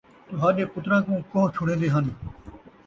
تُہاݙے پُتراں کُوں کوہ چھوڑیندے ہَن،